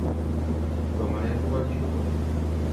Somanet kopo chi tugul